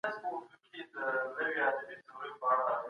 تاسي کله د پښتو لپاره خپل وخت وقف کړی دی؟